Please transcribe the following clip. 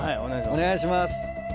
お願いします。